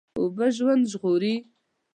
اوبه ژوند ژغوري.